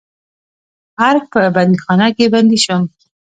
ارګ په بندیخانه کې بندي شوم.